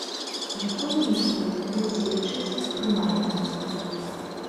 Якую лічбу будзеце лічыць прымальнай?